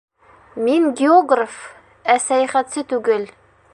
Мин географ, ә сәйәхәтсе түгел.